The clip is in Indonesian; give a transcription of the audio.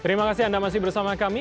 terima kasih anda masih bersama kami